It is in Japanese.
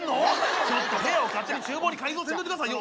ちょっと部屋を勝手にちゅう房に改造せんといて下さいよ。